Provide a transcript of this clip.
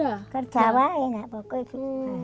saya akan menjaga kerja